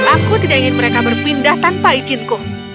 aku tidak ingin mereka berpindah tanpa izinku